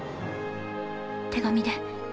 手紙で。